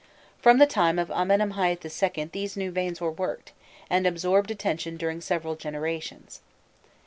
From the time of Amenemhâît II. these new veins were worked, and absorbed attention during several generations.